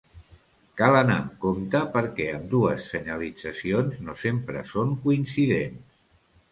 Cal anar amb compte perquè ambdues senyalitzacions no sempre són coincidents.